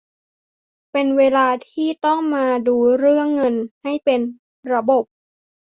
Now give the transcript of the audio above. เป็นเวลาที่ต้องมาดูเรื่องเงินให้เป็นระบบ